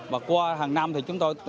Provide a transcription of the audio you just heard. và qua hàng năm thì chúng tôi